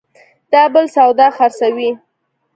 دا بل سودا خرڅوي